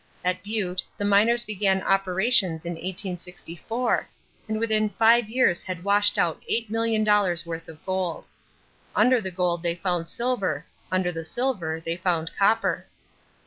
At Butte the miners began operations in 1864 and within five years had washed out eight million dollars' worth of gold. Under the gold they found silver; under silver they found copper.